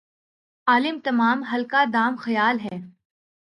عالم تمام حلقہ دام خیال ھے